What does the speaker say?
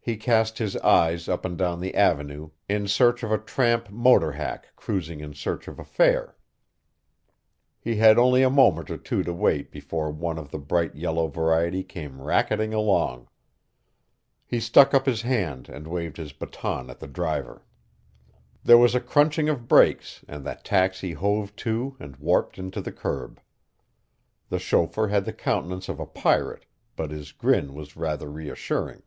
He cast his eyes up and down the avenue in search of a tramp motor hack cruising in search of a fare. He had only a moment or two to wait before one of the bright yellow variety came racketing along. He stuck up his hand and waved his baton at the driver. There was a crunching of brakes and the taxi hove to and warped into the curb. The chauffeur had the countenance of a pirate, but his grin was rather reassuring.